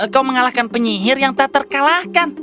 kau mengalahkan penyihir yang tak terkalahkan